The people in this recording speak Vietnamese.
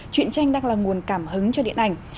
chuyện tranh đang là nguồn cảm hứng cho điện ảnh